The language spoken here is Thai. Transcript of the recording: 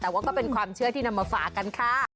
แต่ว่าก็เป็นความเชื่อที่นำมาฝากกันค่ะ